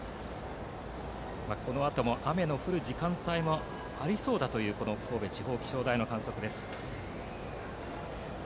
このあとも雨の降る時間帯もありそうだという神戸地方気象台の観測です。